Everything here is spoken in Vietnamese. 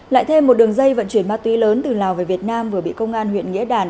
lại thêm một đường dây vận chuyển ma túy lớn từ lào về việt nam vừa bị công an huyện nghĩa đàn